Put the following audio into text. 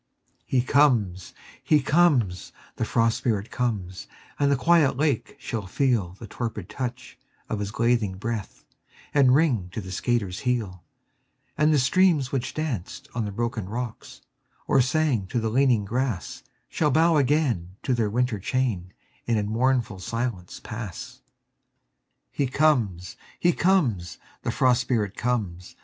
He comes, he comes, the Frost Spirit comes and the quiet lake shall feel The torpid touch of his glazing breath, and ring to the skater's heel; And the streams which danced on the broken rocks, or sang to the leaning grass, Shall bow again to their winter chain, and in mournful silence pass. He comes, he comes, the Frost Spirit comes!